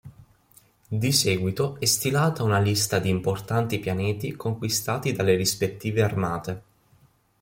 Di seguito è stilata una lista di importanti pianeti conquistati dalle rispettive armate.